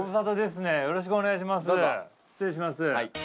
失礼します。